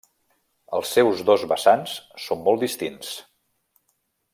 Els seus dos vessants són molt distints.